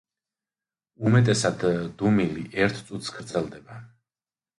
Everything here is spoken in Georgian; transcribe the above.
უმეტესად, დუმილი ერთ წუთს გრძელდება.